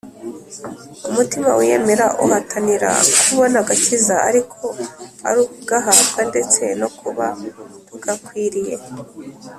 umutima wiyemera uhatanira kubona agakiza, ariko ari ukugahabwa ndetse no kuba tugakwiriye,